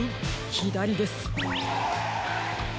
ひだりです。